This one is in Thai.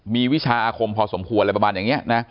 มีวิชาอาคมพอสมควรอะไรประมาณอย่างนี้นะ